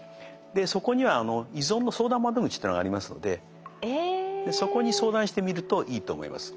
そこには依存の相談窓口っていうのがありますのでそこに相談してみるといいと思います。